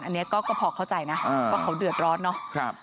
อันนี้ก็พอเข้าใจนะว่าเขาเดือดร้อนเนาะ